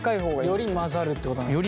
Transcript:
より混ざるってことなんですね。